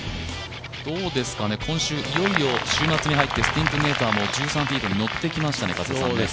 今週いよいよ週末に入ってスティンプメーターも１３フィートに乗ってきましたね。